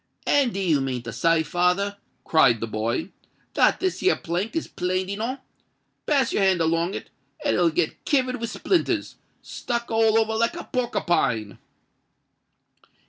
"And do you mean to say, father," cried the boy, "that this here plank is planed enow? Pass your hand along it, and it'll get kivered with splinters—stuck all over like a porkipine."